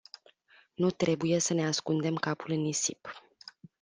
Nu trebuie să ne ascundem capul în nisip.